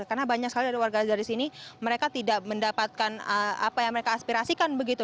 karena banyak sekali warga dari sini mereka tidak mendapatkan apa yang mereka aspirasikan begitu